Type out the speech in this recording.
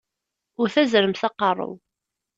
Wwet azrem s aqeṛṛu!